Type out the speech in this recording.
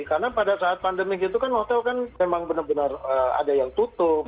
karena pada saat pandemi itu kan hotel kan memang benar benar ada yang tutup